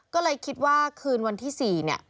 ก็เลยคิดว่าคืนวันที่๔เนี่ย